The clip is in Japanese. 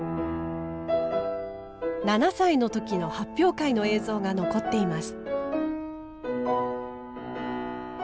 ７歳の時の発表会の映像が残っています。